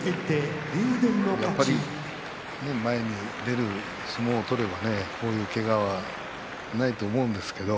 前に出る相撲を取ればこういう、けがはないと思うんですけどね。